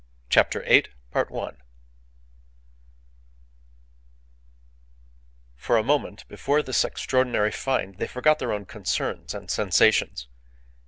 CHAPTER EIGHT For a moment, before this extraordinary find, they forgot their own concerns and sensations.